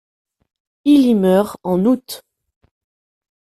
Il y meurt en août.